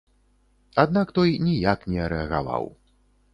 Аднак той ніяк не рэагаваў.